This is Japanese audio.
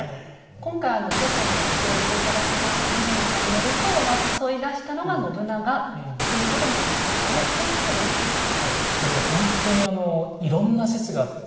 今回調査にもご協力頂きました水野さんによるとまあ誘い出したのが信長ということなんですけど河合先生どうでしょうか？